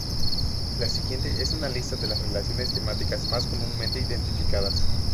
La siguiente es una lista de las relaciones temáticas más comúnmente identificadas.